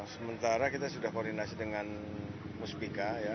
sementara kita sudah koordinasi dengan musbika ya